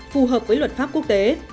phù hợp với luật pháp quốc tế